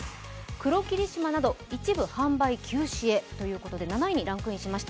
黒霧島など、一部販売休止へということで７位にランクインしました。